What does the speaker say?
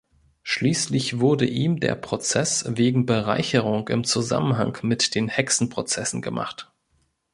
Schließlich wurde ihm der Prozess wegen Bereicherung im Zusammenhang mit den Hexenprozessen gemacht.